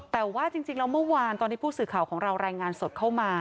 แต่ว่าจริงแล้วเมื่อวานตอนที่ผู้สื่อข่าวของเรารายงานสดเข้ามา